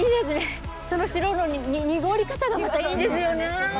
その白の濁り方がまたいいんですよね。